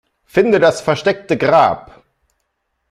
Finde das versteckte Grab.